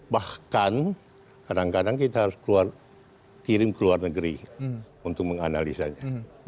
bahkan kadang kadang kita harus kirim ke luar negeri untuk menganalisanya